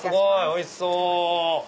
おいしそう！